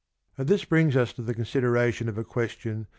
And this brings us to the consideration of a question /,;^^.